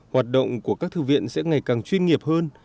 hoạt động của các thư viện sẽ ngày càng chuyên nghiệp hơn